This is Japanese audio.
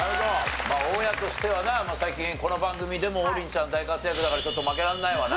まあ大家としてはな最近この番組でも王林ちゃん大活躍だからちょっと負けらんないわな。